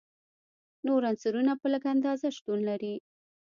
نور عنصرونه په لږه اندازه شتون لري.